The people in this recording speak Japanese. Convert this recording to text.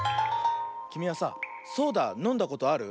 きみはさソーダのんだことある？